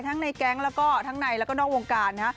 ทั้งในแก๊งแล้วก็ทั้งในแล้วก็นอกวงการนะฮะ